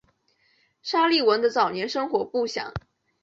沙利文的早年生活不详。